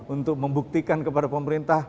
untuk membuktikan kepada pemerintah